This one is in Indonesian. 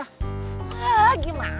hah gimana sih